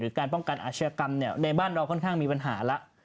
การป้องกันอาชญากรรมในบ้านเราค่อนข้างมีปัญหาแล้ว